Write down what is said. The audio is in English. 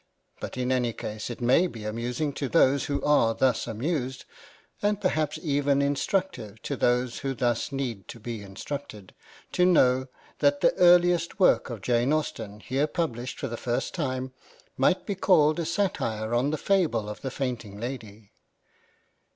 But in any case it may be amusing to those who are thus amused, and perhaps even instructive to those who thus need to be instructed, to know that the earliest work of Jane Austen, here published for the first time, might be called a satire on the fable of the fainting lady.